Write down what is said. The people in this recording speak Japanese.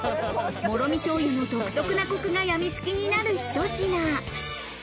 もろみ醤油の独特なコクが病みつきになるひと品。